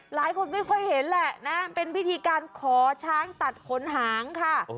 หลายคนไม่ค่อยเห็นแหละนะเป็นพิธีการขอช้างตัดขนหางค่ะ